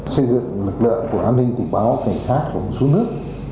xây dựng lực lượng của an ninh tình báo cảnh sát của một số nước